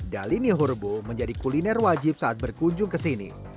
dalini horbo menjadi kuliner wajib saat berkunjung ke sini